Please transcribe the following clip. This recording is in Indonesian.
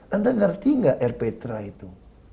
anda ngerti nggak rptra itu